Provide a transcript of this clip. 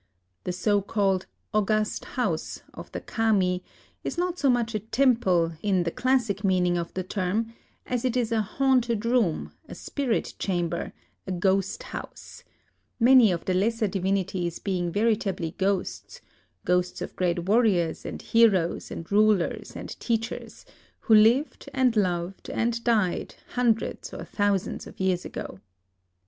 The so called " august house " of the Kami is not so much a temple, in the classic meaning of the term, as it is a haunted room, a spirit chamber, a ghost house ; many of the lesser divinities being veritably ghosts, — ghosts of great warriors and heroes and rulers and teachers, who lived and loved and died hundreds or thousands of years ago.